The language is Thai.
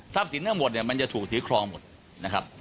สินทั้งหมดเนี่ยมันจะถูกถือครองหมดนะครับ